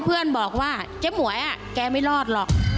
เพื่อนบอกว่าเจ๊หมวยแกไม่รอดหรอก